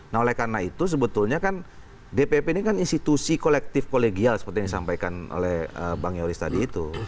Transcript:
nah oleh karena itu sebetulnya kan dpp ini kan institusi kolektif kolegial seperti yang disampaikan oleh bang yoris tadi itu